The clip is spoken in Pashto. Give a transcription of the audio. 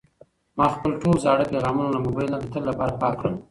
ما خپل ټول زاړه پیغامونه له موبایل نه د تل لپاره پاک کړل.